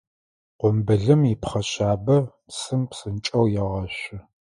Къумбылым ипхъэ шъабэ, псым псынкӏэу егъэшъу.